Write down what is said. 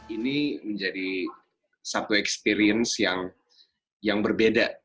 ini menjadi satu experience yang berbeda